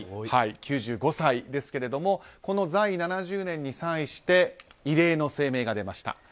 ９５歳ですけれどもこの在位７０年に際して異例の声明が出ました。